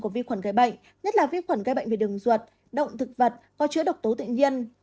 của vi khuẩn gây bệnh nhất là vi khuẩn gây bệnh về đường ruột động thực vật có chữa độc tố tự nhiên